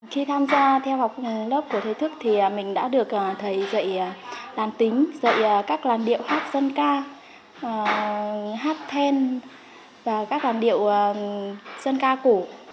khi tham gia theo học lớp của thầy thức thì mình đã được thầy dạy đàn tính dạy các làn điệu hát dân ca hát then và các làn điệu dân ca cổ